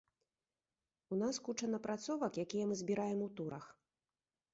У нас куча напрацовак, якія мы збіраем у турах.